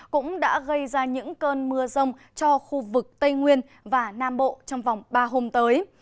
cũng đã gây ra những cơn mưa rông cho khu vực tây nguyên và nam bộ trong vòng ba hôm tới